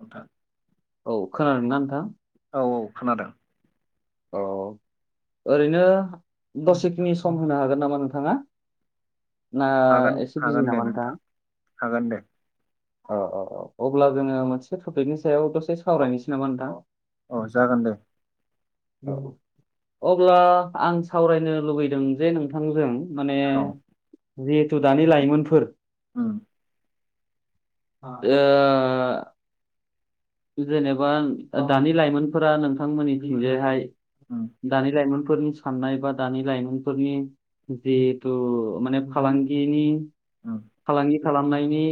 नोंथां औ खोनादों ना नोंथां? औ औ खोनादों। औ ओरैनो दसेखिनि सम होनो हागोन नामा नोंथांङा? ना हागोन एसे बिजि हागोन दे नामा नोंथां। हागोन दे औ औ औ अब्ला जोङो मोनसे टपिकनि सायाव दसे सावरायनोसै नामा नोंथां? औ जागोन दे अब्ला आं सावरायनो लुुबैदों जे नोंथांजों। माने औ जिहेथु दानि लाइमोनफोर उम ओ जेनेबा दानि लाइमोनफोरा नोंथांमोननि दिंजायहाय उम दानि लाइमोन फोरनि साननाय बा दानि लाइमोनफोरनि जिहेथु माने फालांगिनि उम फालांगि खालामनायनि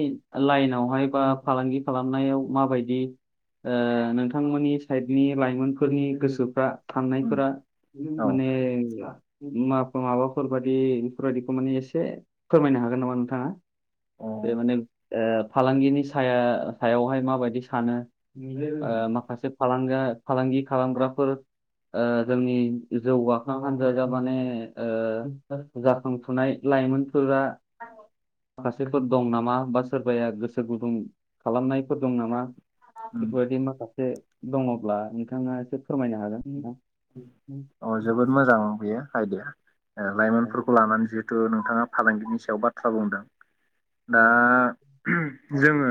लाइनावहाय बा फालांगि खालामनायाव माबायदि, ओ नोंथांमोननि साइडनि लाइमोनफोरनि गोसोफ्रा उम थांनायफोरा औ माने मा माबाफोर बायदि बेफोरबायदिखौ माने एसे फोरमायनो हागोन नामा? नोंथाङा। औ बे माने ओ फालांगिनि साया सायावहाय माबायदि सानो उम ओ माखासे फालांगा फालांगि खालामग्राफोर, ओ जोंनि जौगाखां हान्जाया माने ओ जाखांफुनाय, लाइमोनफोरा माखासेफोर दं नामा? बा सोरबाया गोसो गुदुं खालामनायफोर दं नामा? बेफोरबायदि माखासे दङब्ला नोंथाङा एसे फोरमायनो हागोन अ जोबोद मोजां बेयो आयदाया, ओ लाइमोनफोरखौ लानानै जिहेथु नोंथाङा फालांगिनि सायाव बा खाबु नोंथां दा जोङो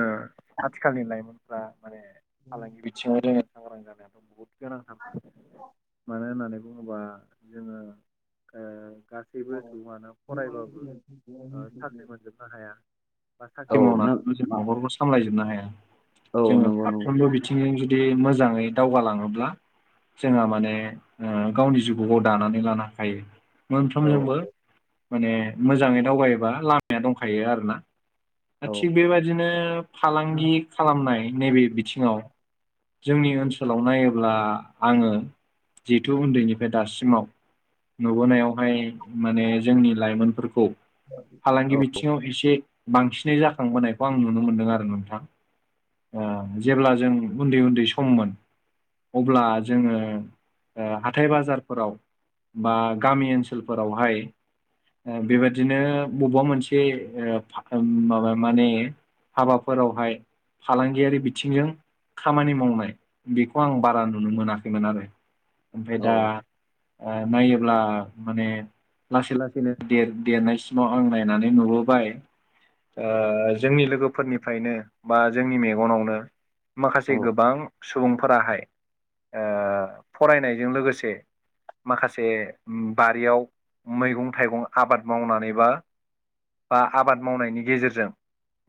आथिखालनि लाइमोनफ्रा माने फालांगि बिथिङाव जों सांग्रां जानायाथ बहुत गोनांथारखा मानो होननानै बुङोबा जोङो ओ गासैबो सुबुङानो फरायबाबो साख्रि ओ मोनजोबनो हाया। औ साख्रि नों मावनानै जों मा- नखरफोरखौ सामलायजोबनो हायो। औ जोङो नंगौ नंगौ फारफ्रोमबो बिथिंजों जुद दि मोजाङै दावगालाङोब्ला जोंहा माने ओ गावनि जिउखौ दानानै लानो हायो औ मोनफ्रोमजोंबो। माने मोजाङै दावगायोबा लामाया दंखायो आरो ना। औ थिग बेबायदिनो औ फालांगि औ खालामनाय नैबे बिथिङाव जोंनि ओनसोलाव नायोब्ला आङो जिहेथु उन्दैनिफ्राय दासिमाव। नुबोनायावहाय माने जोंनि लाइमोनफोरखौ फालांगिय बिथिं आव एसे बांसिन नो जाखांबोनायखौ आं नुनो मोन्दों आरो नोंथां। ओ जेब्ला जों उन्दै उन्दै सममोन अब्ला जोङो ओ हाथाय बाजारफोराव बा गामि ओनसोलफोरावहाय बेबादिनो बबेबा ओ मोनसे फाख माबा माने हाबाफोरावहाय फालांगियारि बिथिंजों खामानि मावनाय बेखौ आं बारा नुनो मोनाखैमोन आरो ओमफ्राय औ दा ओ नायोब्ला माने लासै लासैनो देरनायसिमाव आं नायनानै नुबोबाय ओ जोंनि लोगोफोरनिफ्रायनो बा जोंनि मेगनावनो औ माखासे गोबां सुबुंफोराहाय ओ फरायनायजों लोगोसे माखासे बारियाव मैगं थाइगं आबाद मावनानैबा बा आबाद मावनायनि गेजेरजों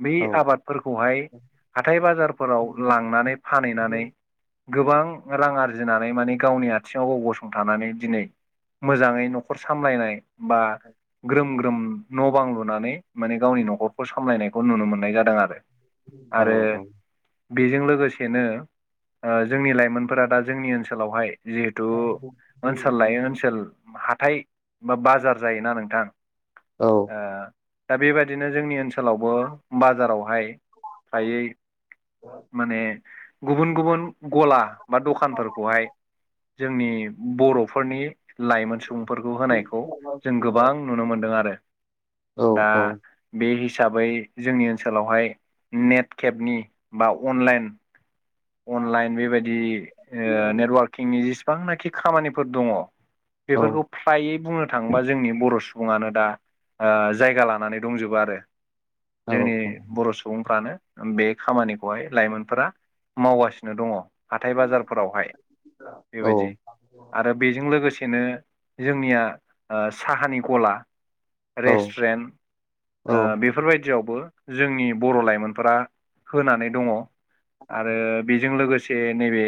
बै औ आबादफोरखौहाय हाथाय बाजारफोराव लांनानै फानहैनानै गोबां रां आरजिनानै माने गावनि आथिङाव गाव गसंथानानै दिनै मोजाङै नखर सामलायनाय बा ग्रोम ग्रोम न बां लुनानै माने गावनि न'खर सामलायनायखौ नुनो मोननाय जादों आरो औ आरो औ। बेजों लोगोसेनो ओ जोंनि लाइमोनफोरा दा जोंनि ओनसोलावहाय जिहेथु ओनसोल लायै ओनसोल हाथाय बा बाजार जायोना नोंथां ओ दा बेबायदिनो जोंनि ओनस ओनसोलावबो बाजारावहाय फ्रायै माने गुबुन गुबुन गला बा दखानदारखौहाय जोंनि बर'फोरनि लाइमोन सुबुंफोरखौ होनायखौ जों औ गोबां नुनो मोनदों आरो दा बे हि हिसाबै जोंनि ओनसोलावहाय नेट केेबनि बा अनलाइन अनलाइन बेबायदि ओ नेटवारकिंनि जेसेबांनाखि खामानिफोर दङ बेफोरखौ फ्रायै बुंनो थाङोबा जोंनि बर' सुबुं सुबुङानो दा ओ जायगा लानानै दंजोबो आरो जोंनि बर' सुबुंफ्रानो बे खामानिखौहाय लाइमोनफोरा मावगासिनो दङ हाथाय बाजारफोरावहाय बेबायदि आरो बेजों लोगोसे बेनो जोंनिया साहानि गला रेस्टुरेन्ट ओ बेफोरबायदियावबो जोंनि बर' लाइमोनफोरा होनानै दङ आरो बेजों लोगोसे नैबे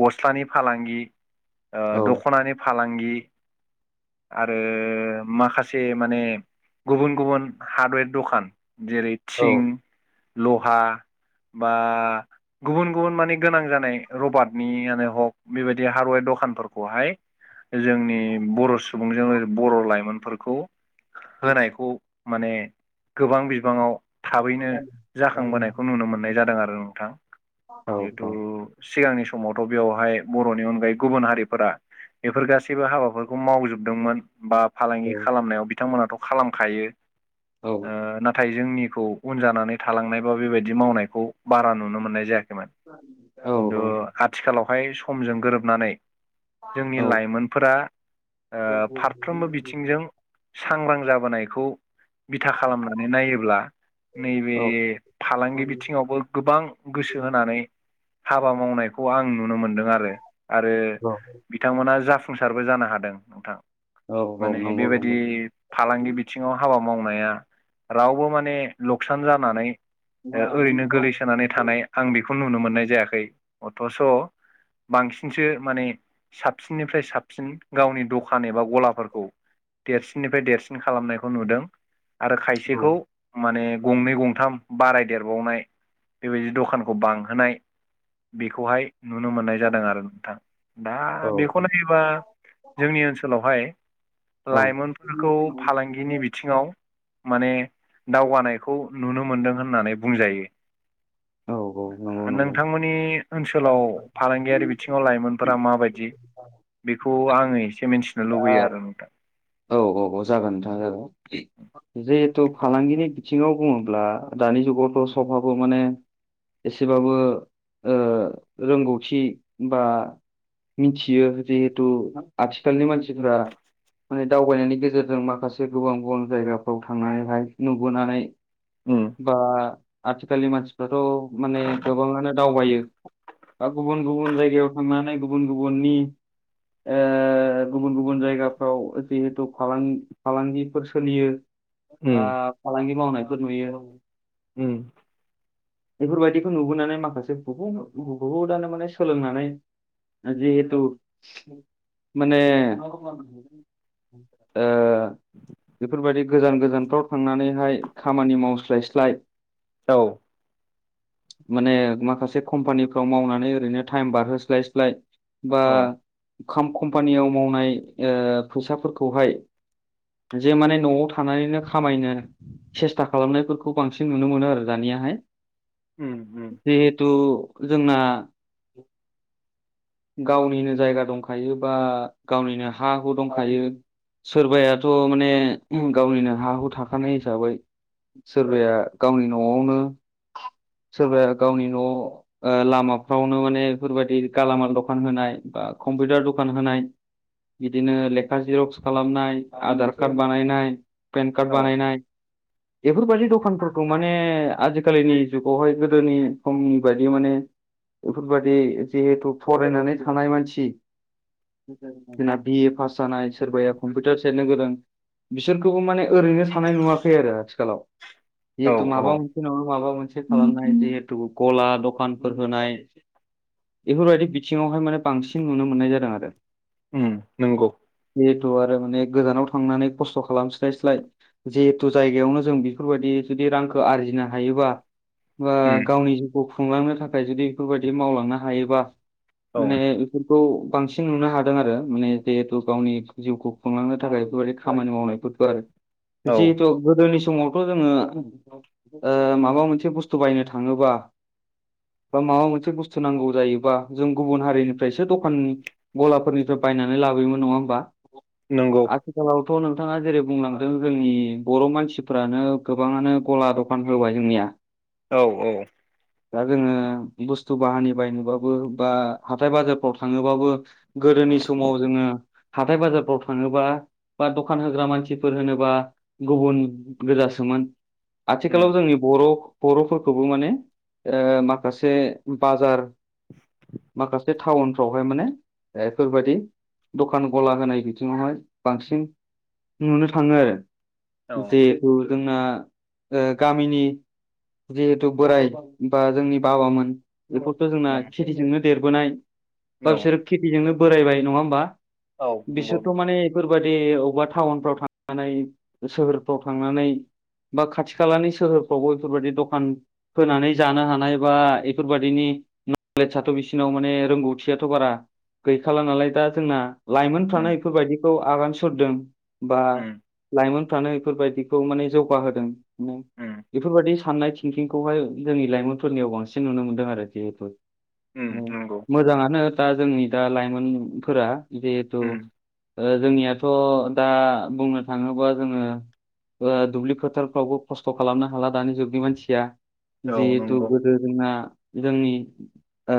गस्लानि फालांगि ओ दख'नानि फालांगि गि आरो माखासे माने गुबुन गुबुन हार्डवेर दखान जेरै थिं लहा बा गुबुन गुबुन माने गोनां जानाय रबारटनियानो हक बेबायदि हारव दं दखानफोरखौहाय जोंनि बर' सुबुंजों बर' लाइमोनफोरखौ होनायखौ माने गोबां बिबाङाव थाबैनो जाखांबोनायखौ नुनो मोननाय जादों आरो नोंथां औ जिहेथु सिगांनि समावथ' बेवहाय बर'नि अनगायै गुबुन हारिफोरा बेफोर गासैबो हाबाफोरखौ मावजोबदोंमोन बा औ फालांगि खालामनायाव बिथांमोनाथ' खालामखायो औ ओ नाथाय जोंनि खौ उन जानानै थालांनाय बा बेबायदि मावनायखौ बारा नुनो मोननाय जायाखै मोन औ खिन्थु आथिखालावहाय समजों गोरोबनानै औ जोंनि लाइमोनफोरा ओ फारफ्रोमबो बिथिंजों सांग्रां जाबोनायखौ बिथा खालामनानै नायोब्ला नैबे औ फालांगि बिथिङावबो गोबां गोसो होनानै हाबा मावनायखौ आं नुनो मोनदों आरो आरो औ बिथांमोना जाफुं जाफुंसारबो जानो हादों नोंथां औ औ माने नंगौ बेबायदि नंगौ फालांगि बिथिङाव हाबा मावनाया रावबो माने लकसान जानानै औ औ ओ ओरैनो गोगलैसोनानै थानाय आं बेखौ नुनो मोननाय जायाखै अथ'स' बांसिनसो माने साबसिननिफ्राय साबसिन गावनि दखान एबा गलाफोरखौ देरसिननिफ्राय देरसिन खालामनायखौ नुदों आरो खायसेखौ माने गंनै गंथाम बारायदेरबावनाय बेबायदि दखानखौ बांहोनाय बेखौहाय नुनो मोननाय जादों आरो नोंथां दा औ बेखौ नायोबा जोंनि ओनसोलावहाय औ लाइमोनफोरखौ फालांगिनि बिथिङाव माने दावगानायखौ नुनो मोनदों होननानै बुंजायो नंगौ नंगौ नोंथांमोननि दा ओनसोलाव फालांगियारि बिथिङाव लाइमोनफोरा माबायदि बेखौ आङो एसे मिथि नो लुबैयो आरो नोंथां औ औ औ जागोन नोंथां जागोन जिहेथु फालांगिनि बिथिङाव बुङोब्ला दानि जुगावथ सबहाबो माने एसेबाबो ओ रोंगौथि बा मिथियो जिहेथु आथिखालनि मानसिफोरा माने दावबायनायनि गेजेरजों माखासे गोबां गुबां जायगाफ्राव थांनानैहाय नुबोनानै उम बा आथिखालनि मानसिफ्राथ' माने गोबाङानो दावबायो बा गुबुन गुबुन जायगायाव थांनानै गुबुन गुबुननि ओ गुबुन गुबुन जायगाफ्राव जेहिथु फालांग फालांगिफोर सोलियो उम आ फालांगि मावनायफोर नुयो उम बेफोरबायदिखौ नुबोनानै माखासे बहु बहुदानो माने सोलोंनानै जिहेथु माने ओ बेफोरबादि गोजान गोजानफ्राव थांनानैहाय खामानि मावस्लायस्लाय औ माने माखासे कम्पानिफ्राव मावनानै ओरैनो टाइम बारहोस्लायस्लाय बा औ कम्पानियाव मावनाय ओ फैसाफोरखौहाय जे माने न'आव थानानैनो खामायनो सेस्था खालामनायफोरखौ बांसिन नुनो मोनो आरो दानियाहाय। उम उम जिहेथु जोंना गावनिनो जायगा दंखायो बा गावनिनो हा हु दंखायो। सोरबायाथ' माने गावनिनो हा हु थाखानाय हिसाबै सोरबाया गावनि न'आवनो सोरबाया गावनि न' ओ लामाफ्रावनो माने बेफोरबायदि गालामाल द खान होनाय, बा कम्पिउटार दखान होनाय, बिदिनो लेखा जिरक्स खालामनाय, आधार कार्ड बानायनाय, पेन कार्ड औ बानायनाय, बेफोरबादि दखानफोरखौ माने आजिखालिनि जुगावहाय गोदोनि समनि बायदि माने बेफोरबादि जिहेथु फरायनानै थानाय मानसि जोंना बिए पास जानाय, सोरबाया कम्पिउटार सेरनो गोरों, बिसोरखौबो माने ओरैनो थानाय नुवाखै आरो आथिखालाव औ जिहेथु माबा औ मोनसे नङा माबा मोन से खालामनाय जिहेतु गला दखानफोर होनाय बेफोरबायदि बि बिथिङावहाय माने बांसिन नुनो मोननाय जादों आरो। उम नोंंगौ जिहेथु आरो माने गोजानाव थांनानै खस्थ' खालामस्लायस्लाय जिहेथु जायगायावनो जों बेफोरबायदि जुदि रांखौ आरजिनो हायोबा बा उम गावनि जिउखौ खुंलांनो थाखाय जुदि बेफोरबायदि मावलांनो हायोबा औ माने बेफोर खौ बांसिन नुनो हादों आरो माने जिहेथु गावनि जिउखौ खुंलांनो थाखाय बेफोरबायदि खामानि मावनाय फोर औ जिहेथु गोदोनि सम समावथ' जोङो माबा मोनसे बुस्थु बायनो थाङोबा बा माबा मोनसे बुस्थु नांगौ जायोबा जों गुबुन हारिनिफ्रायसो दखाननि गलाफोरनिफ्राय बायनानै लाबोयोमोन नङा होमबा नंगौ आथिखालाव थ' नोंथाङा जेरै बुंलांदों जोंनि बर' मानसिफ्रानो गोबाङानो गला दखान होबाय जोंनिया औ औ दा जोङो बुस्थु बाहानि बायनोबाबो बा हाथाय बाजारफ्राव थाङोबाबो गोदोनि समाव जोङो हाथाय बाजारफ्राव थाङोबा बा दखान होग्रा मानसिफोर होनोबा गुबुन गोजासोमोन उम आथिखालाव जोंनि बर' बर'फोरखौबो माने ओ माखासे बाजार माखासे टाउनफ्रावहाय माने बेफोरबायाददि दखान गला होनाय बिथिङावहाय बांसिन नुनो थाङो आरो औ जिहेथु जोंना ओ गामिनि जिहेथु बोराय बा जोंनि बाबामोन बेखौथ' जोंना उम खेथिजोंनो देरबोनाय बा औ बिसोरो खेथिजोंनो बोरायबाय नङा होमबा औ नंगौ बिसोरथ' नंगौ माने एफोरबादि बबेबा टाउनफ्राव थांनानै सोहोरफ्राव थांनानै बा खाथि खालानि सोहोरफ्रावबो बेफोरबायदि दखान होनानै जानो हानाय बा बेफोरबायदिनि न नलेजआथ' बिसिनाव माने रोंगौथियाथ' बारा गैखाला नालाय दा जोंना लाइमोनफ्रानो उम बेफोरबायदिखौ आगान सुरदों बा उम लाइमोनफ्रानो बेफोरबायदिखौ माने जौगाहोदों। उम बेफोरबायादि साननाय थिंकिंखौहाय जोंनि लाइमोनफोरनियाव बांसिन नुनो मोनदों आरो जिहेतु उम औ, नंगौ मोजाङानो दा जोंनि दा लाइमोनफोरा। जिहेतु उम ओ जोंनियाथ' दा बुंनो थाङोबा जोङो ओ दुब्लि फोथारफ्रावबो खस्थ' खालामनो हाला दानि जुगनि मानसिया। औ जिहेतु नंगौ गोदो जोंना जोंनि ओ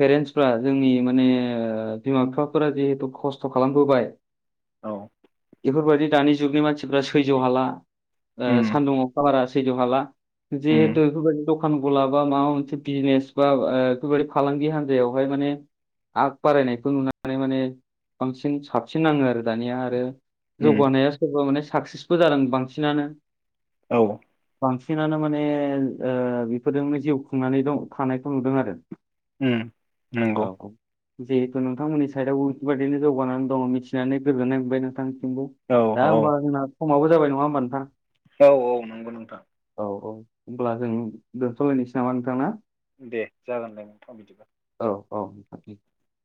पेरेन्टसफ्रा जोंनि माने ओ बिमा बिफाफोरा जिहेतु खस्थ' खालामबोबाय औ। बेफोरबायदि दानि जुगनि मानसिफ्रा सैज्य हाला ओ उम सान्दुं अ खा सैज' हाला जिहेथु उम बेफोरबायदि दखान गला बा माबा मोनसे बिजनेस बा बेफोरबायदि फालांगि हान्जायावहाय माने आग बारायनायखौ नुनानै माने बांसिन साबसिन नाङो आरो दानिया आरो उम जौगानाया सोरबा माने साक्सेसबो जादों बांसिनानो औ बांसिनानो माने बेफोरजोंनो जिउ खुंनानै दं थानायखौ नुदों आरो। उम नंगौ। औ औ जिहेथु नोंथांमोननि साइडआव बेफोरबायाददिनो जौगानानै दङ मिथिनानै गोगजोननाय मोनबाय नोंथां। नंगौ औ दा होमबा जोंना समाबो जाबाय नङा होमबा नोंथां औ औ नंगौ नोंथां औ औ होमब्ला जों दोनथ'लायनोसै नामा नोंथां ना दे जागोन दे नोंथां बिदिबा औ औ